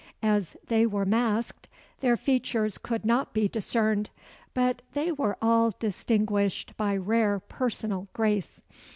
As they were masked, their features could not be discerned; but they were all distinguished by rare personal grace.